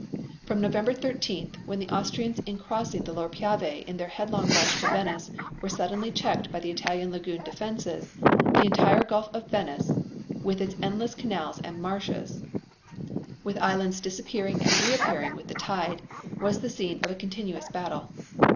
From November 13th, when the Austrians in crossing the lower Piave in their headlong rush to Venice were suddenly checked by the Italian lagoon defenses, the entire Gulf of Venice, with its endless canals and marshes, with islands disappearing and reappearing with the tide, was the scene of a continuous battle.